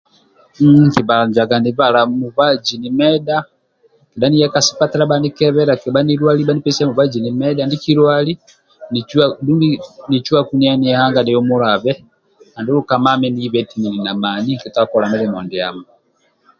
Nkibhanjaga nibala mubazi ndiamo nimedha kedha niya ka sipatala bha nikebela kibha ninilwali bhanipesia mubazi nimedha ndiki lwali nicuwaku dumbi niya ni aga nihumulabe andulu kamami ni ba nti nili na mani nkitoka kola milimo ndiamo